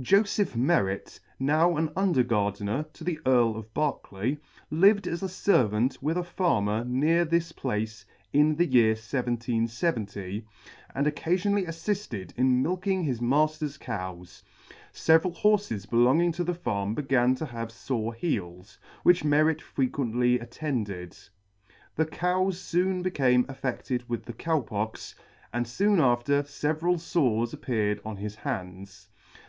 JOSEPH MERRET, now an Under Gardener to the Earl of Berkeley, lived as a Servant with a Farmer near this place in the year 1770, and occafionally affifted in milking his matter's cows. Several horfes belonging to the farm began to have fore heels, which Merret frequently attended. The cows foon beca/ne affe&ed with the Cow Pox, and foon after feveral fores appeared on his hands.